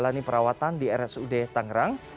menjalani perawatan di rsud tangerang